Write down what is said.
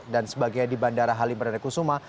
dan sebagainya di bandara halim perdana kusuma